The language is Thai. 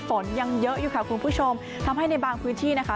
ฝนยังเยอะอยู่ค่ะคุณผู้ชมทำให้ในบางพื้นที่นะคะ